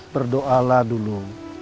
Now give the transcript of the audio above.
berdoa lah dulu